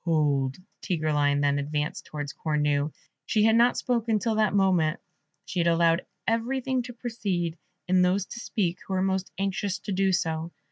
"Hold!" Tigreline then advanced towards Cornue; she had not spoken till that moment; she had allowed everything to proceed, and those to speak who were most anxious to do so.